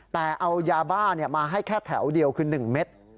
แต่เอายาบ้ามาให้แค่แถวเดียวคือ๑เม็ด